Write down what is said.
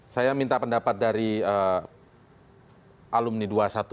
saya minta pendapat dari alumni dua ratus dua belas